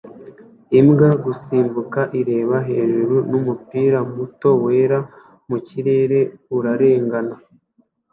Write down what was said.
imbwa gusimbuka ireba hejuru n'umupira muto wera mu kirere urarengana